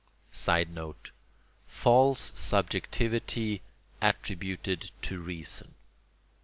[Sidenote: False subjectivity attributed to reason.